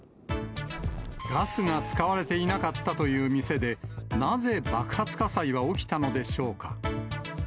ガスが使われていなかったという店で、なぜ爆発火災は起きたのでしょうか。